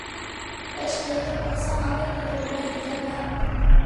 بەش قېتىم ئوقۇسام ئاندىن دۇدۇقلىمايدىكەنمەن .